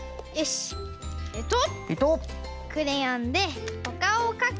クレヨンでおかおをかく。